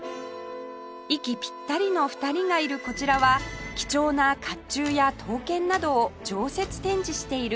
息ぴったりの２人がいるこちらは貴重な甲冑や刀剣などを常設展示しているギャラリー